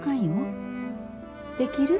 できる？